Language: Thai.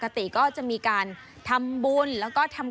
ประเพณีนี้ปกติก็จะมีการทำบุญและทำขนมมาเส้นวายบรรพบุรุษกันมากมาย